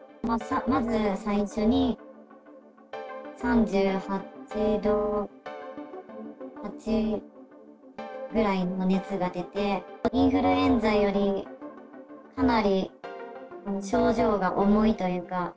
まず最初に３８度８ぐらいの熱が出てインフルエンザよりかなり症状が重いというか。